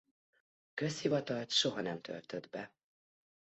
Közhivatalt soha nem töltött be.